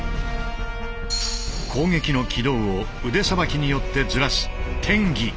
攻撃の軌道を腕捌きによってずらす転技。